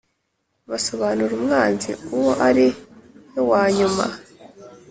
basobanura umwanzi uwo ari wewanyuma